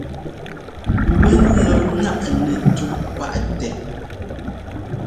Mbɛ́n lɔ ńnáꞌ nɛtúꞌ páꞌ tɛ.